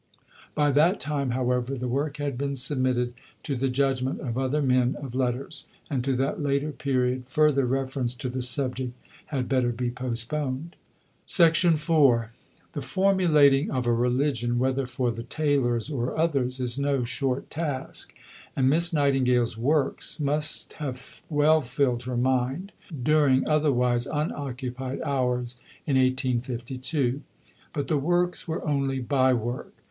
By that time, however, the work had been submitted to the judgment of other men of letters; and to that later period further reference to the subject had better be postponed. IV The formulating of a religion, whether for the tailors or others, is no short task, and Miss Nightingale's "Works" must have well filled her mind during otherwise unoccupied hours in 1852. But the "Works" were only bye work.